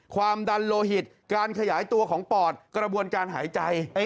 ความดันโลหิตการขยายตัวของปอดกระบวนการหายใจ